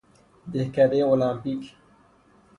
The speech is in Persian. دهکدهٔ المپیک